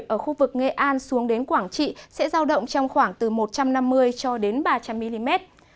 ở khu vực nghệ an xuống đến quảng trị sẽ giao động trong khoảng từ một trăm năm mươi cho đến ba trăm linh mm